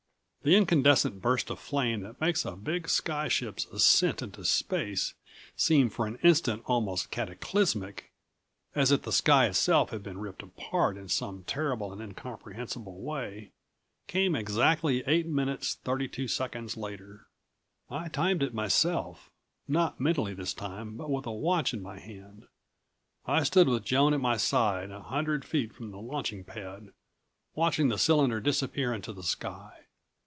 The incandescent burst of flame that makes a big sky ship's ascent into space seem for an instant almost cataclysmic, as if the sky itself had been ripped apart in some terrible and incomprehensible way, came exactly eight minutes, thirty two seconds later. I timed it myself, not mentally this time but with a watch in my hand. I stood with Joan at my side a hundred feet from the launching pad, watching the cylinder disappear into the sky.